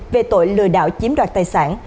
về tội lừa đảo chiếm đoạt tài sản